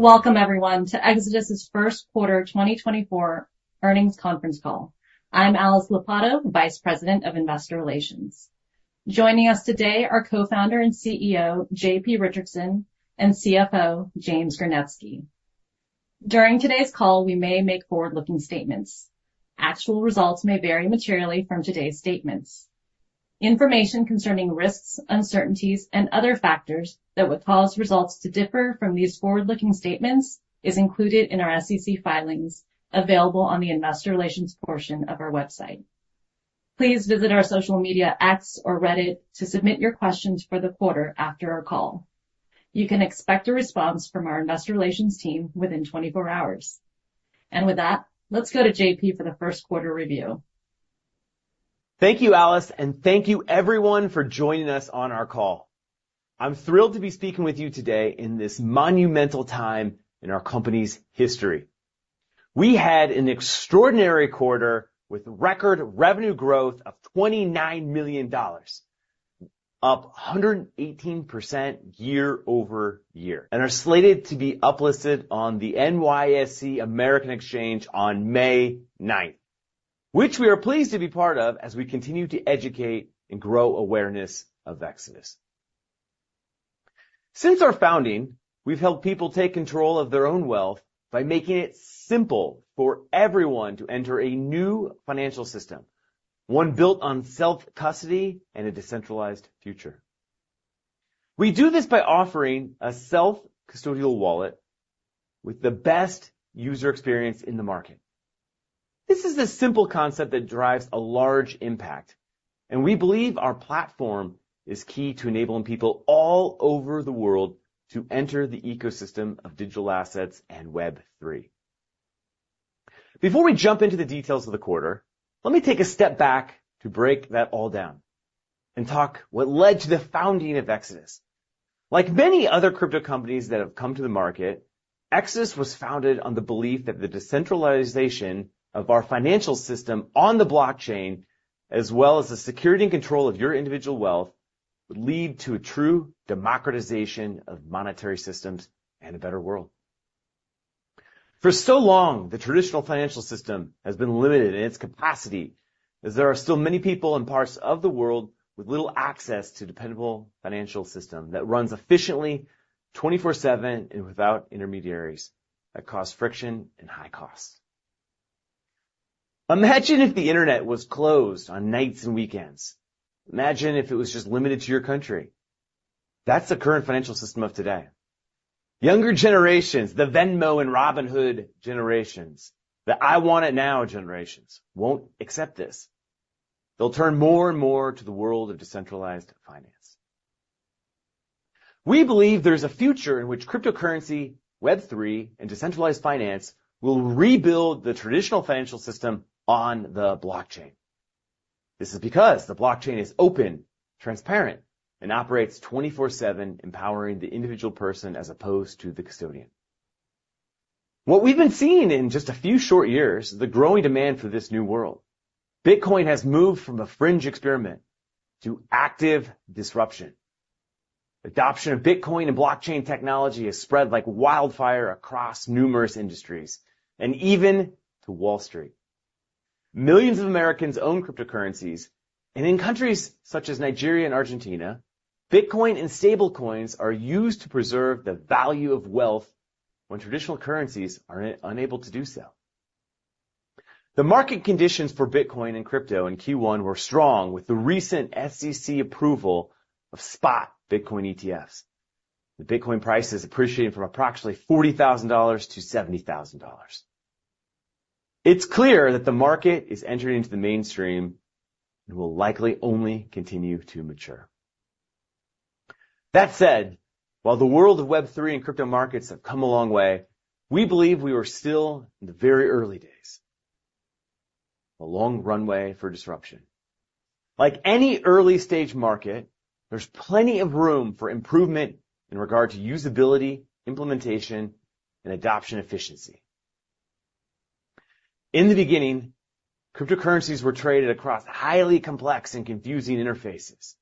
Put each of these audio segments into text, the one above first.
Welcome everyone to Exodus's First Quarter 2024 Earnings Conference Call. I'm Alice Lopatto, Vice President of Investor Relations. Joining us today are co-founder and CEO, JP Richardson, and CFO, James Gernetzke. During today's call, we may make forward-looking statements. Actual results may vary materially from today's statements. Information concerning risks, uncertainties, and other factors that would cause results to differ from these forward-looking statements is included in our SEC filings, available on the investor relations portion of our website. Please visit our social media, X or Reddit, to submit your questions for the quarter after our call. You can expect a response from our investor relations team within 24 hours. With that, let's go to JP for the first quarter review. Thank you, Alice, and thank you everyone for joining us on our call. I'm thrilled to be speaking with you today in this monumental time in our company's history. We had an extraordinary quarter with record revenue growth of $29 million, up 118% year-over-year, and are slated to be uplisted on the NYSE American on May ninth, which we are pleased to be part of as we continue to educate and grow awareness of Exodus. Since our founding, we've helped people take control of their own wealth by making it simple for everyone to enter a new financial system, one built on self-custody and a decentralized future. We do this by offering a self-custodial wallet with the best user experience in the market. This is a simple concept that drives a large impact, and we believe our platform is key to enabling people all over the world to enter the ecosystem of digital assets and Web3. Before we jump into the details of the quarter, let me take a step back to break that all down and talk what led to the founding of Exodus. Like many other crypto companies that have come to the market, Exodus was founded on the belief that the decentralization of our financial system on the blockchain, as well as the security and control of your individual wealth, would lead to a true democratization of monetary systems and a better world. For so long, the traditional financial system has been limited in its capacity, as there are still many people in parts of the world with little access to dependable financial system that runs efficiently, 24/7, and without intermediaries that cause friction and high cost. Imagine if the Internet was closed on nights and weekends. Imagine if it was just limited to your country. That's the current financial system of today. Younger generations, the Venmo and Robinhood generations, the I-want-it-now generations, won't accept this. They'll turn more and more to the world of decentralized finance. We believe there's a future in which cryptocurrency, Web3, and decentralized finance will rebuild the traditional financial system on the blockchain. This is because the blockchain is open, transparent, and operates 24/7, empowering the individual person as opposed to the custodian. What we've been seeing in just a few short years, is the growing demand for this new world. Bitcoin has moved from a fringe experiment to active disruption. Adoption of Bitcoin and blockchain technology has spread like wildfire across numerous industries, and even to Wall Street. Millions of Americans own cryptocurrencies, and in countries such as Nigeria and Argentina, Bitcoin and stablecoins are used to preserve the value of wealth when traditional currencies are unable to do so. The market conditions for Bitcoin and crypto in Q1 were strong, with the recent SEC approval of spot Bitcoin ETFs. The Bitcoin price is appreciating from approximately $40,000 to $70,000. It's clear that the market is entering into the mainstream and will likely only continue to mature. That said, while the world of Web3 and crypto markets have come a long way, we believe we are still in the very early days. A long runway for disruption. Like any early-stage market, there's plenty of room for improvement in regard to usability, implementation, and adoption efficiency. In the beginning, cryptocurrencies were traded across highly complex and confusing interfaces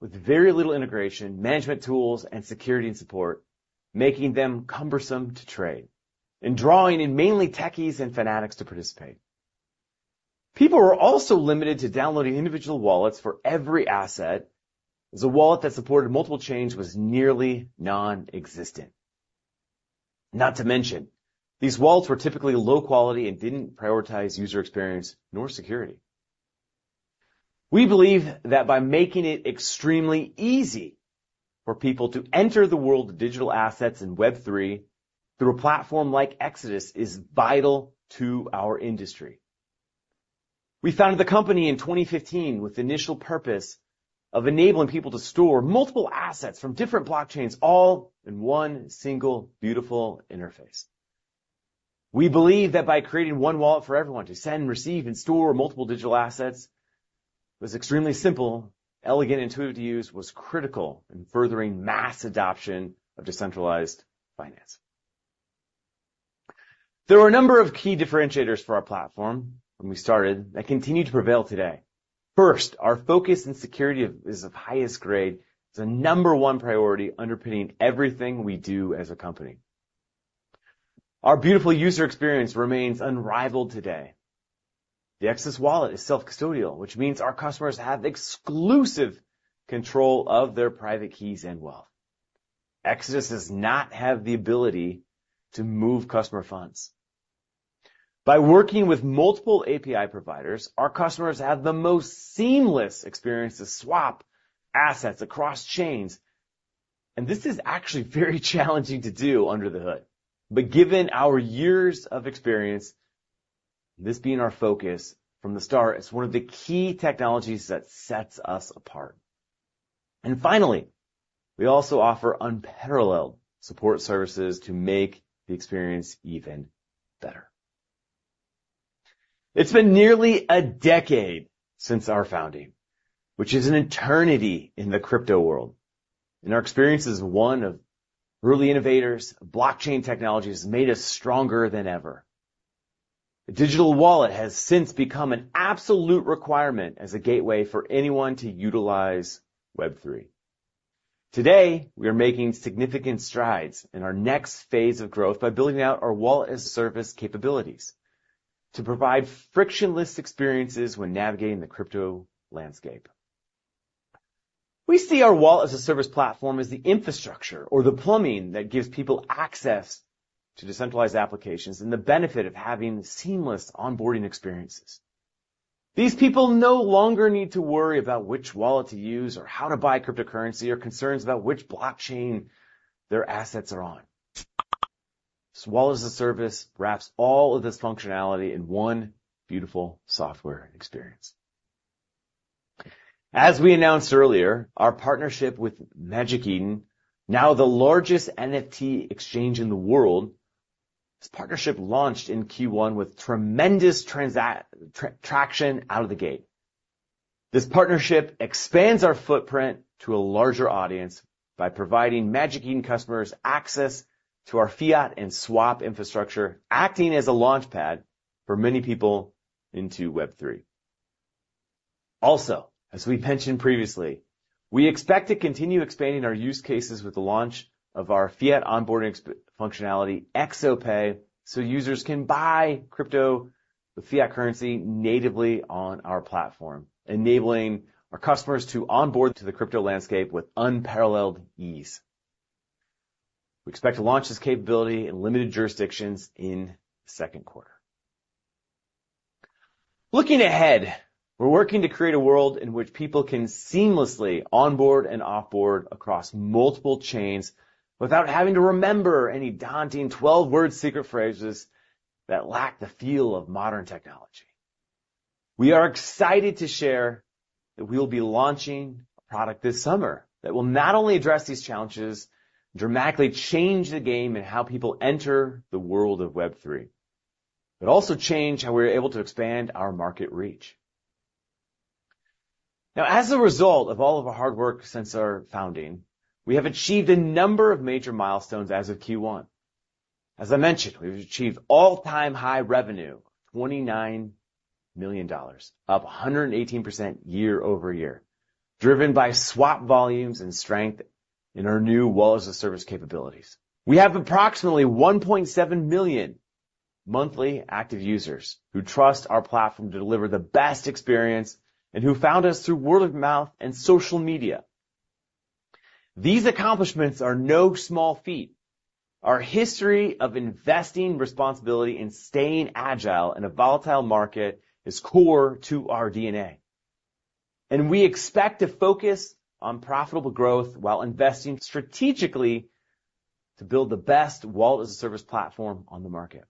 with very little integration, management tools, and security and support, making them cumbersome to trade, and drawing in mainly techies and fanatics to participate. People were also limited to downloading individual wallets for every asset, as a wallet that supported multiple chains was nearly non-existent. Not to mention, these wallets were typically low quality and didn't prioritize user experience nor security. We believe that by making it extremely easy for people to enter the world of digital assets and Web3 through a platform like Exodus is vital to our industry. We founded the company in 2015 with the initial purpose of enabling people to store multiple assets from different blockchains, all in one single beautiful interface. We believe that by creating one wallet for everyone to send, receive, and store multiple digital assets, it was extremely simple, elegant, intuitive to use, was critical in furthering mass adoption of decentralized finance. There were a number of key differentiators for our platform when we started that continue to prevail today. First, our focus on security is of highest grade. It's a number one priority underpinning everything we do as a company. Our beautiful user experience remains unrivaled today. The Exodus Wallet is self-custodial, which means our customers have exclusive control of their private keys and wealth. Exodus does not have the ability to move customer funds. By working with multiple API providers, our customers have the most seamless experience to swap assets across chains, and this is actually very challenging to do under the hood. But given our years of experience, this being our focus from the start, it's one of the key technologies that sets us apart. Finally, we also offer unparalleled support services to make the experience even better. It's been nearly a decade since our founding, which is an eternity in the crypto world, and our experience as one of early innovators of blockchain technology has made us stronger than ever. A digital wallet has since become an absolute requirement as a gateway for anyone to utilize Web3. Today, we are making significant strides in our next phase of growth by building out our Wallet-as-a-Service capabilities to provide frictionless experiences when navigating the crypto landscape. We see our Wallet-as-a-Service platform as the infrastructure or the plumbing that gives people access to decentralized applications and the benefit of having seamless onboarding experiences. These people no longer need to worry about which wallet to use or how to buy cryptocurrency, or concerns about which blockchain their assets are on. Wallet-as-a-Service wraps all of this functionality in one beautiful software experience. As we announced earlier, our partnership with Magic Eden, now the largest NFT exchange in the world, this partnership launched in Q1 with tremendous traction out of the gate. This partnership expands our footprint to a larger audience by providing Magic Eden customers access to our fiat and swap infrastructure, acting as a launchpad for many people into Web3. Also, as we mentioned previously, we expect to continue expanding our use cases with the launch of our fiat onboarding functionality, Exodus Pay, so users can buy crypto with fiat currency natively on our platform, enabling our customers to onboard to the crypto landscape with unparalleled ease. We expect to launch this capability in limited jurisdictions in the second quarter. Looking ahead, we're working to create a world in which people can seamlessly onboard and off-board across multiple chains without having to remember any daunting 12-word secret phrases that lack the feel of modern technology. We are excited to share that we will be launching a product this summer that will not only address these challenges, dramatically change the game in how people enter the world of Web3, but also change how we're able to expand our market reach. Now, as a result of all of our hard work since our founding, we have achieved a number of major milestones as of Q1. As I mentioned, we've achieved all-time high revenue, $29 million, up 118% year-over-year, driven by swap volumes and strength in our new Wallet-as-a-Service capabilities. We have approximately 1.7 million monthly active users who trust our platform to deliver the best experience and who found us through word of mouth and social media. These accomplishments are no small feat. Our history of investing responsibility and staying agile in a volatile market is core to our DNA, and we expect to focus on profitable growth while investing strategically to build the best Wallet-as-a-Service platform on the market.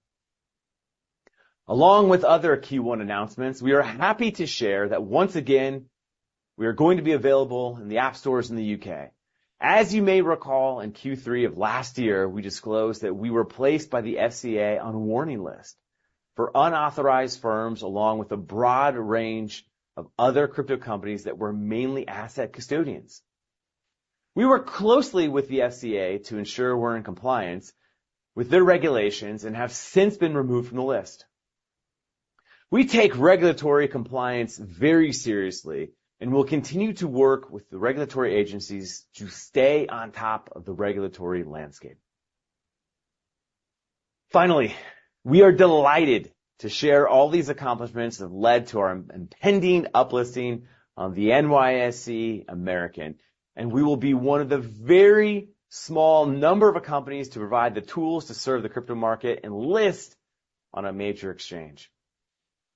Along with other Q1 announcements, we are happy to share that once again, we are going to be available in the app stores in the U.K. As you may recall, in Q3 of last year, we disclosed that we were placed by the FCA on a warning list for unauthorized firms, along with a broad range of other crypto companies that were mainly asset custodians. We work closely with the FCA to ensure we're in compliance with their regulations and have since been removed from the list. We take regulatory compliance very seriously and will continue to work with the regulatory agencies to stay on top of the regulatory landscape. Finally, we are delighted to share all these accomplishments that have led to our impending uplisting on the NYSE American, and we will be one of the very small number of companies to provide the tools to serve the crypto market and list on a major exchange.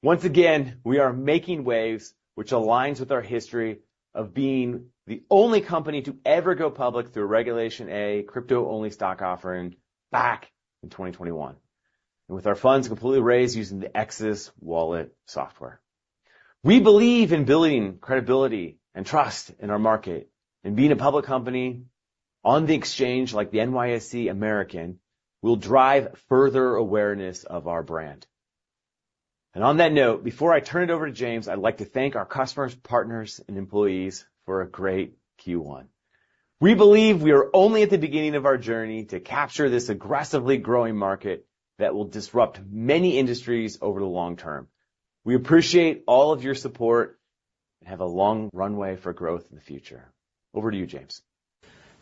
Once again, we are making waves, which aligns with our history of being the only company to ever go public through Regulation A crypto-only stock offering back in 2021, and with our funds completely raised using the Exodus Wallet software. We believe in building credibility and trust in our market, and being a public company on the exchange, like the NYSE American, will drive further awareness of our brand. And on that note, before I turn it over to James, I'd like to thank our customers, partners, and employees for a great Q1. We believe we are only at the beginning of our journey to capture this aggressively growing market that will disrupt many industries over the long term. We appreciate all of your support, and have a long runway for growth in the future. Over to you, James.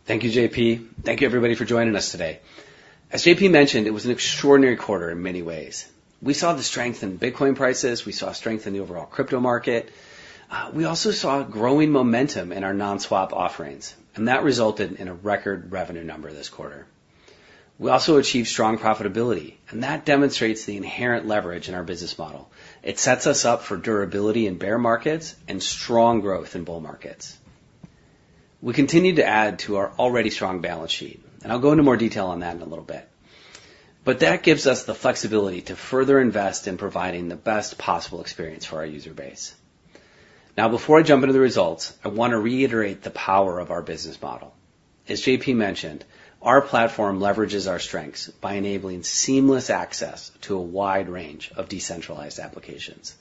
Thank you, JP. Thank you, everybody, for joining us today. As JP mentioned, it was an extraordinary quarter in many ways. We saw the strength in Bitcoin prices, we saw strength in the overall crypto market. We also saw a growing momentum in our non-swap offerings, and that resulted in a record revenue number this quarter. We also achieved strong profitability, and that demonstrates the inherent leverage in our business model. It sets us up for durability in bear markets and strong growth in bull markets. We continued to add to our already strong balance sheet, and I'll go into more detail on that in a little bit. But that gives us the flexibility to further invest in providing the best possible experience for our user base. Now, before I jump into the results, I want to reiterate the power of our business model. As JP mentioned, our platform leverages our strengths by enabling seamless access to a wide range of decentralized applications.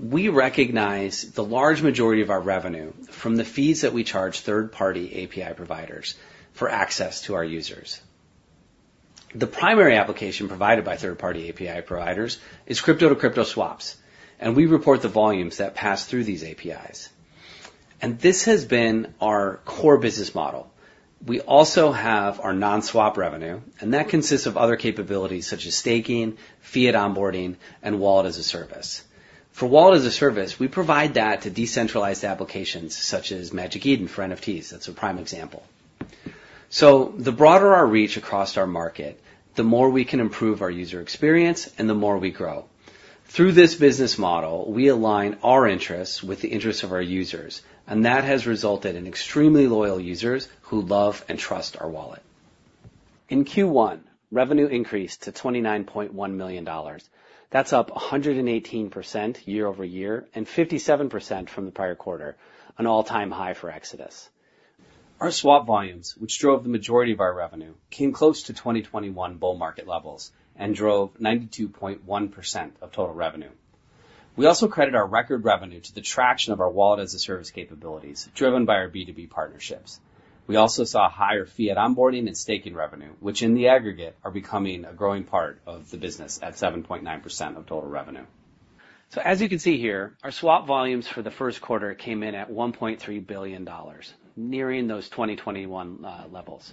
We recognize the large majority of our revenue from the fees that we charge third-party API providers for access to our users. The primary application provided by third-party API providers is crypto-to-crypto swaps, and we report the volumes that pass through these APIs. This has been our core business model. We also have our non-swap revenue, and that consists of other capabilities such as staking, fiat onboarding, and Wallet-as-a-Service. For Wallet-as-a-Service, we provide that to decentralized applications such as Magic Eden for NFTs. That's a prime example. So the broader our reach across our market, the more we can improve our user experience and the more we grow. Through this business model, we align our interests with the interests of our users, and that has resulted in extremely loyal users who love and trust our wallet. In Q1, revenue increased to $29.1 million. That's up 118% year-over-year, and 57% from the prior quarter, an all-time high for Exodus. Our swap volumes, which drove the majority of our revenue, came close to 2021 bull market levels and drove 92.1% of total revenue. We also credit our record revenue to the traction of our Wallet-as-a-Service capabilities, driven by our B2B partnerships. We also saw higher fiat onboarding and staking revenue, which, in the aggregate, are becoming a growing part of the business at 7.9% of total revenue. So as you can see here, our swap volumes for the first quarter came in at $1.3 billion, nearing those 2021 levels.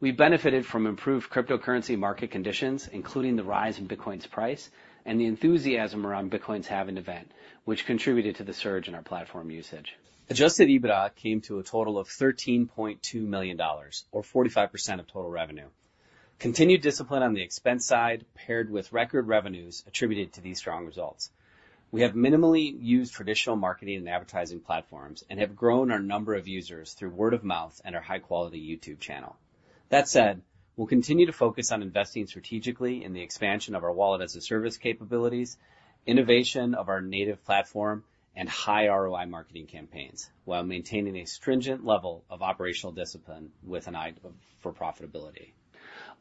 We benefited from improved cryptocurrency market conditions, including the rise in Bitcoin's price and the enthusiasm around Bitcoin's halving event, which contributed to the surge in our platform usage. Adjusted EBITDA came to a total of $13.2 million, or 45% of total revenue. Continued discipline on the expense side, paired with record revenues, attributed to these strong results. We have minimally used traditional marketing and advertising platforms and have grown our number of users through word of mouth and our high-quality YouTube channel. That said, we'll continue to focus on investing strategically in the expansion of our Wallet-as-a-Service capabilities, innovation of our native platform, and high ROI marketing campaigns, while maintaining a stringent level of operational discipline with an eye for profitability.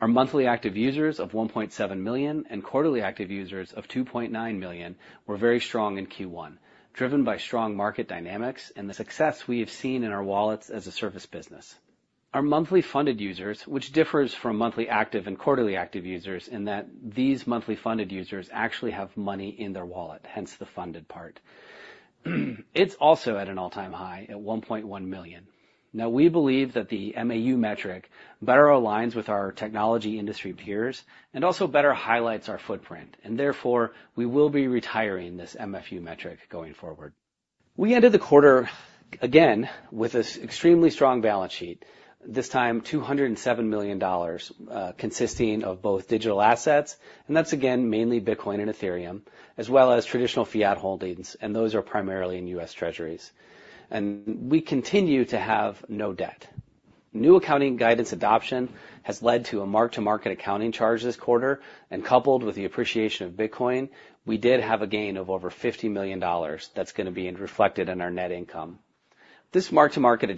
Our monthly active users of 1.7 million and quarterly active users of 2.9 million were very strong in Q1, driven by strong market dynamics and the success we have seen in our Wallet-as-a-Service business. Our monthly funded users, which differs from monthly active and quarterly active users, in that these monthly active users actually have money in their wallet, hence the funded part. It's also at an all-time high, at 1.1 million. Now, we believe that the MAU metric better aligns with our technology industry peers and also better highlights our footprint, and therefore, we will be retiring this MFU metric going forward. We ended the quarter, again, with an extremely strong balance sheet, this time $207 million, consisting of both digital assets, and that's again, mainly Bitcoin and Ethereum, as well as traditional fiat holdings, and those are primarily in U.S. Treasuries. We continue to have no debt. New accounting guidance adoption has led to a mark-to-market accounting charge this quarter, and coupled with the appreciation of Bitcoin, we did have a gain of over $50 million that's gonna be reflected in our net income. This mark-to-market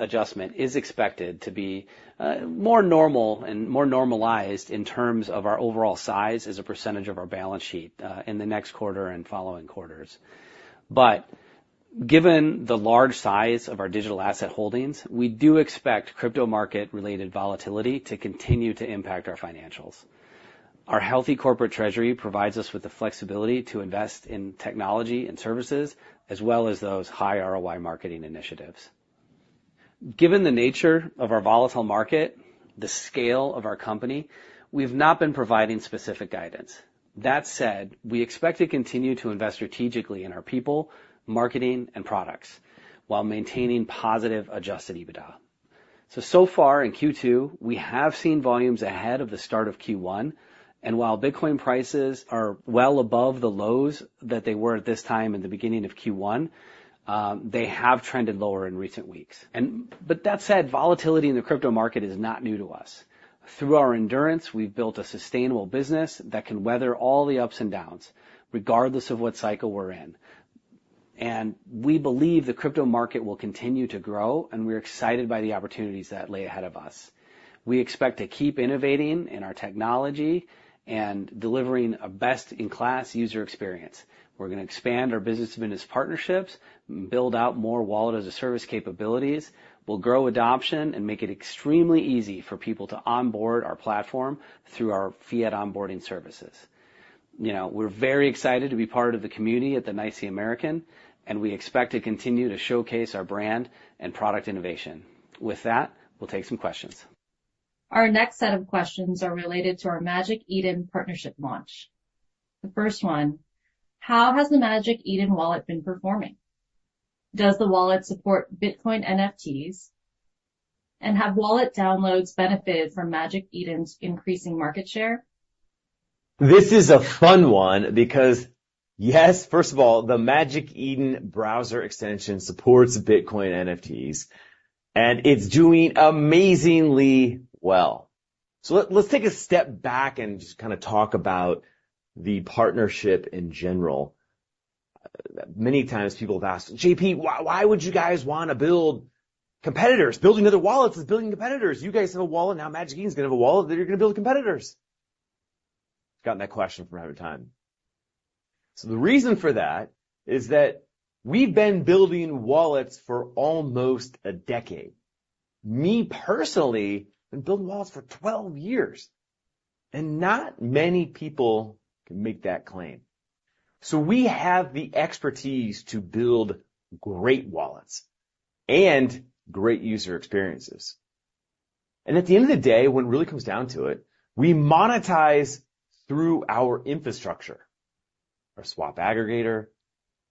adjustment is expected to be more normal and more normalized in terms of our overall size as a percentage of our balance sheet in the next quarter and following quarters. But given the large size of our digital asset holdings, we do expect crypto market-related volatility to continue to impact our financials. Our healthy corporate treasury provides us with the flexibility to invest in technology and services, as well as those high ROI marketing initiatives. Given the nature of our volatile market, the scale of our company, we've not been providing specific guidance. That said, we expect to continue to invest strategically in our people, marketing, and products while maintaining positive Adjusted EBITDA. So far in Q2, we have seen volumes ahead of the start of Q1, and while Bitcoin prices are well above the lows that they were at this time in the beginning of Q1, they have trended lower in recent weeks. But that said, volatility in the crypto market is not new to us. Through our endurance, we've built a sustainable business that can weather all the ups and downs, regardless of what cycle we're in. and we believe the crypto market will continue to grow, and we're excited by the opportunities that lay ahead of us. We expect to keep innovating in our technology and delivering a best-in-class user experience. We're going to expand our business-to-business partnerships, build out more Wallet-as-a-Service capabilities. We'll grow adoption and make it extremely easy for people to onboard our platform through our fiat onboarding services. You know, we're very excited to be part of the community at the NYSE American, and we expect to continue to showcase our brand and product innovation. With that, we'll take some questions. Our next set of questions are related to our Magic Eden partnership launch. The first one: how has the Magic Eden wallet been performing? Does the wallet support Bitcoin NFTs, and have wallet downloads benefited from Magic Eden's increasing market share? This is a fun one because, yes, first of all, the Magic Eden browser extension supports Bitcoin NFTs, and it's doing amazingly well. So let's take a step back and just kind of talk about the partnership in general. Many times people have asked, "JP, why, why would you guys want to build competitors? Building other wallets is building competitors. You guys have a wallet, now Magic Eden is going to have a wallet, then you're going to build competitors." Gotten that question from time to time. So the reason for that is that we've been building wallets for almost a decade. Me, personally, been building wallets for 12 years, and not many people can make that claim. So we have the expertise to build great wallets and great user experiences. At the end of the day, when it really comes down to it, we monetize through our infrastructure, our swap aggregator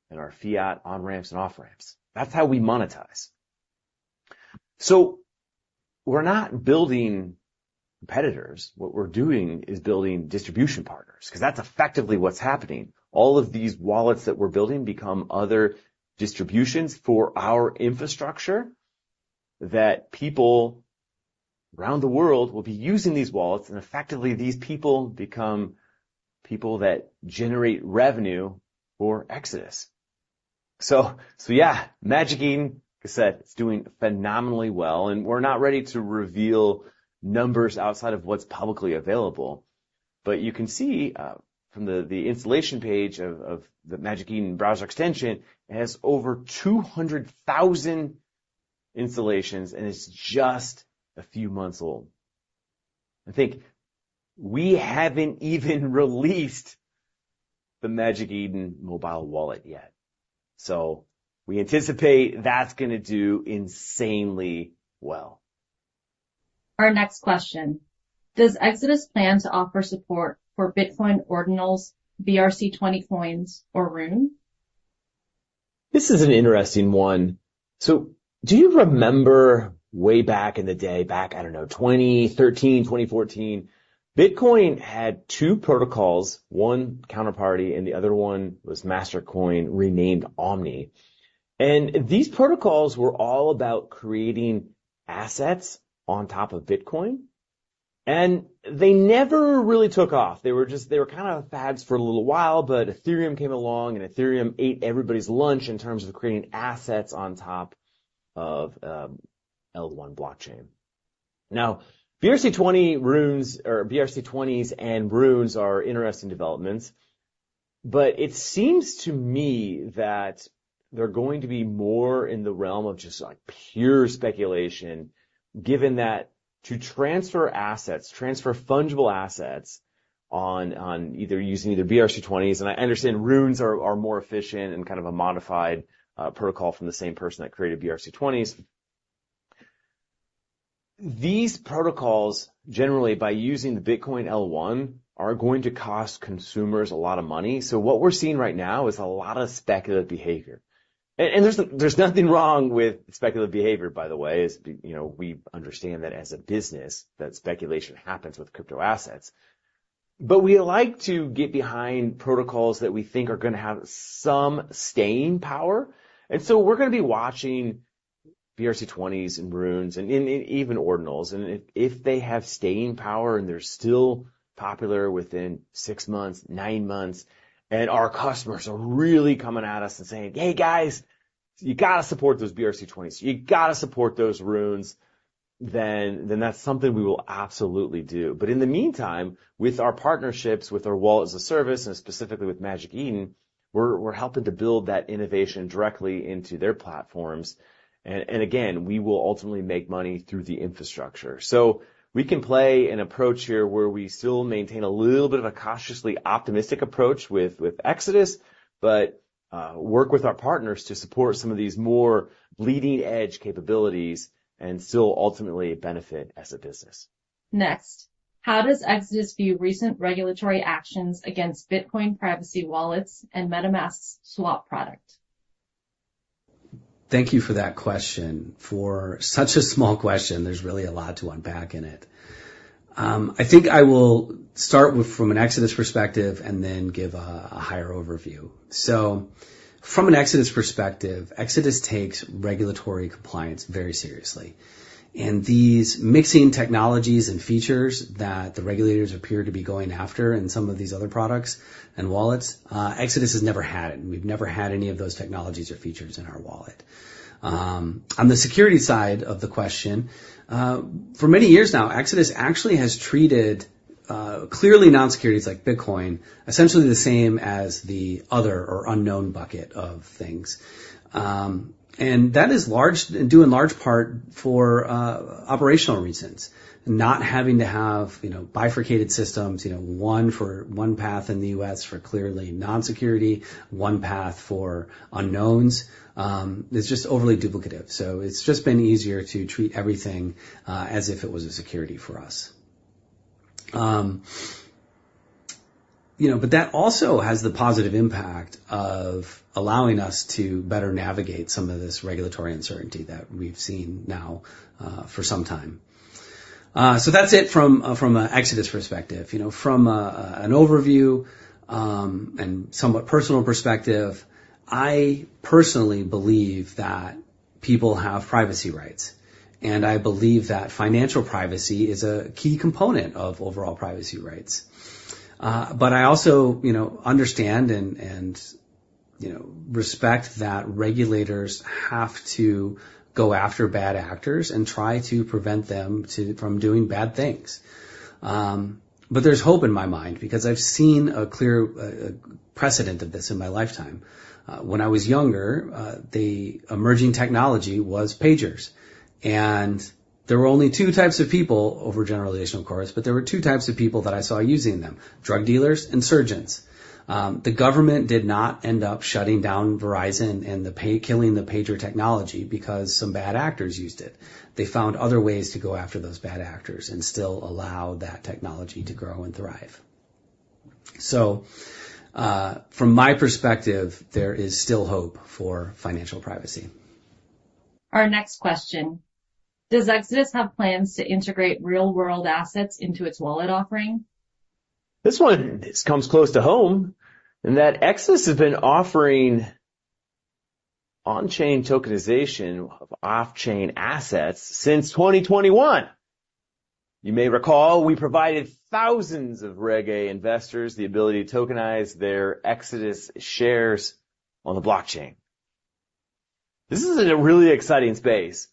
and our fiat on-ramps and off-ramps. That's how we monetize. We're not building competitors. What we're doing is building distribution partners, 'cause that's effectively what's happening. All of these wallets that we're building become other distributions for our infrastructure, that people around the world will be using these wallets, and effectively, these people become people that generate revenue for Exodus. So yeah, Magic Eden, like I said, it's doing phenomenally well, and we're not ready to reveal numbers outside of what's publicly available. But you can see from the installation page of the Magic Eden browser extension, it has over 200,000 installations, and it's just a few months old. I think we haven't even released the Magic Eden mobile wallet yet, so we anticipate that's going to do insanely well. Our next question: Does Exodus plan to offer support for Bitcoin Ordinals, BRC-20 coins, or Runes? This is an interesting one. So do you remember way back in the day, back, I don't know, 2013, 2014, Bitcoin had two protocols, one Counterparty, and the other one was Mastercoin, renamed Omni. And these protocols were all about creating assets on top of Bitcoin, and they never really took off. They were just. They were kind of fads for a little while, but Ethereum came along, and Ethereum ate everybody's lunch in terms of creating assets on top of L1 blockchain. Now, BRC-20, Runes, or BRC-20s and Runes are interesting developments, but it seems to me that they're going to be more in the realm of just, like, pure speculation, given that to transfer assets, transfer fungible assets on either using BRC-20s, and I understand Runes are more efficient and kind of a modified protocol from the same person that created BRC-20s. These protocols, generally, by using the Bitcoin L1, are going to cost consumers a lot of money. So what we're seeing right now is a lot of speculative behavior, and there's nothing wrong with speculative behavior, by the way, as you know, we understand that as a business, that speculation happens with crypto assets. But we like to get behind protocols that we think are going to have some staying power. And so we're going to be watching BRC-20s and Runes and even Ordinals, and if they have staying power, and they're still popular within six months, nine months, and our customers are really coming at us and saying, "Hey, guys, you got to support those BRC-20s, you got to support those Runes," then that's something we will absolutely do. But in the meantime, with our partnerships, with our Wallet-as-a-Service, and specifically with Magic Eden, we're helping to build that innovation directly into their platforms. And again, we will ultimately make money through the infrastructure. So we can play an approach here where we still maintain a little bit of a cautiously optimistic approach with Exodus, but work with our partners to support some of these more leading-edge capabilities and still ultimately benefit as a business. Next, how does Exodus view recent regulatory actions against Bitcoin privacy wallets and MetaMask's swap product? Thank you for that question. For such a small question, there's really a lot to unpack in it. I think I will start from an Exodus perspective and then give a higher overview. So from an Exodus perspective, Exodus takes regulatory compliance very seriously. And these mixing technologies and features that the regulators appear to be going after in some of these other products and wallets, Exodus has never had it. We've never had any of those technologies or features in our wallet. On the security side of the question, for many years now, Exodus actually has treated clearly non-securities like Bitcoin essentially the same as the other or unknown bucket of things. And that is largely due in large part to operational reasons, not having to have, you know, bifurcated systems, you know, one for one path in the U.S. for clearly non-security, one path for unknowns, is just overly duplicative. So it's just been easier to treat everything, as if it was a security for us. You know, but that also has the positive impact of allowing us to better navigate some of this regulatory uncertainty that we've seen now, for some time. So that's it from a Exodus perspective. You know, from an overview, and somewhat personal perspective, I personally believe that people have privacy rights, and I believe that financial privacy is a key component of overall privacy rights. But I also, you know, understand and, you know, respect that regulators have to go after bad actors and try to prevent them from doing bad things. But there's hope in my mind because I've seen a clear, precedent of this in my lifetime. When I was younger, the emerging technology was pagers, and there were only two types of people, overgeneralization, of course, but there were two types of people that I saw using them: drug dealers and surgeons. The government did not end up shutting down Verizon and killing the pager technology because some bad actors used it. They found other ways to go after those bad actors and still allow that technology to grow and thrive. So, from my perspective, there is still hope for financial privacy. Our next question: Does Exodus have plans to integrate real-world assets into its wallet offering? This one, this comes close to home, in that Exodus has been offering on-chain tokenization of off-chain assets since 2021. You may recall, we provided thousands of Reg A investors the ability to tokenize their Exodus shares on the blockchain. This is a really exciting space,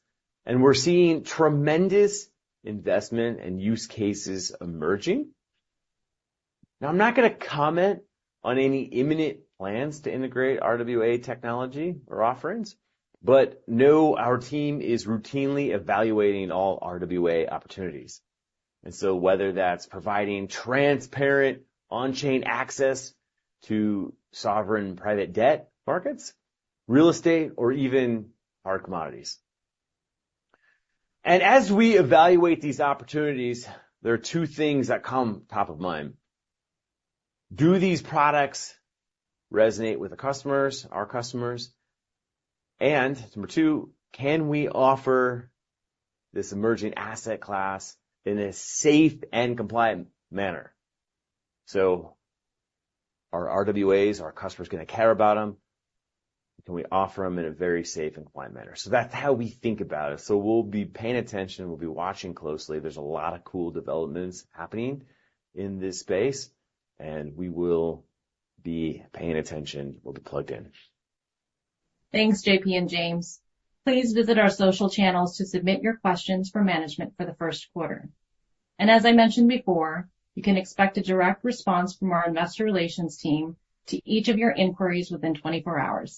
and we're seeing tremendous investment and use cases emerging. Now, I'm not gonna comment on any imminent plans to integrate RWA technology or offerings, but know our team is routinely evaluating all RWA opportunities. And so whether that's providing transparent on-chain access to sovereign private debt markets, real estate, or even our commodities. And as we evaluate these opportunities, there are two things that come top of mind: Do these products resonate with the customers, our customers? And number two, can we offer this emerging asset class in a safe and compliant manner? So are RWAs, are customers gonna care about them? Can we offer them in a very safe and compliant manner? That's how we think about it. We'll be paying attention, we'll be watching closely. There's a lot of cool developments happening in this space, and we will be paying attention. We'll be plugged in. Thanks, JP and James. Please visit our social channels to submit your questions for management for the first quarter. As I mentioned before, you can expect a direct response from our investor relations team to each of your inquiries within 24 hours.